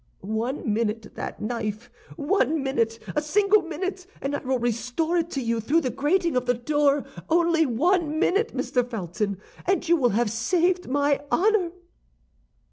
One minute that knife, one minute, a single minute, and I will restore it to you through the grating of the door. Only one minute, Mr. Felton, and you will have saved my honor!"